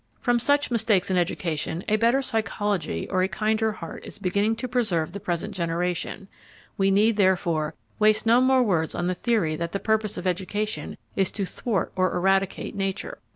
From such mistakes in education a better psychology or a kinder heart is beginning to preserve the present generation; we need, therefore, waste no more words on the theory that the purpose of education is to thwart or eradicate nature.